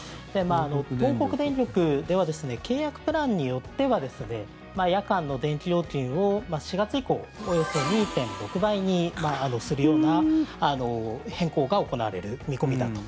東北電力では契約プランによっては夜間の電気料金を４月以降およそ２．６倍にするような変更が行われる見込みだと。